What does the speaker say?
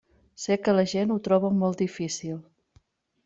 Sé que la gent ho troba molt difícil.